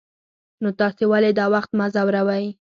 نو تاسې ولې دا وخت ما ځوروئ.